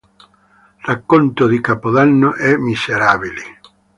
Racconto di Capodanno" e "Miserabili.